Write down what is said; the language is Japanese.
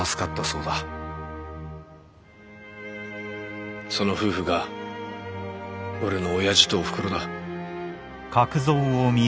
その夫婦が俺の親父とおふくろだ。